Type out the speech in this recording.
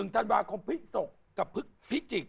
๑ธันวาคมพฤศจิกกับพิจิก